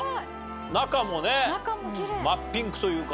中もね真っピンクというか。